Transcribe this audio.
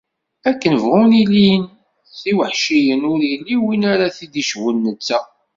Akken bɣun ilin d iweḥciyen, ur yelli winn ara t-id-icbun netta.